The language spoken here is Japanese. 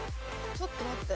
ちょっと待って。